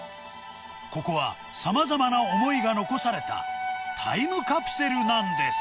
ここはさまざまな思いが残された、タイムカプセルなんです。